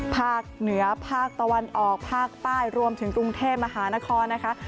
ภาคเหนือภาคตะวันออกภาคใต้รวมถึงกรุงเทพมหานครนะคะ